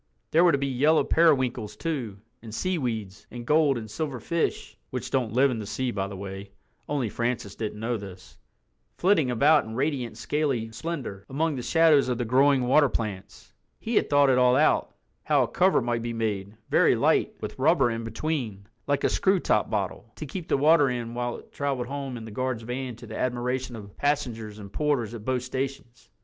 There were to be yellow periwinkles too, and seaweeds, and gold and silver fish (which don't live in the sea by the way, only Francis didn't know this), flitting about in radiant scaly splendor, among the shadows of the growing water plants. He had thought it all out—how a cover might be made, very light, with rubber in between, like a screw top bottle, to keep the water in while it traveled home in the guard's van to the admiration of passengers and porters at both stations.